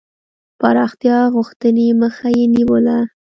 پراختیا غوښتني مخه یې نیوله.